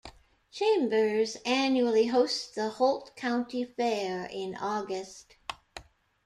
Chambers annually hosts the Holt County Fair in August.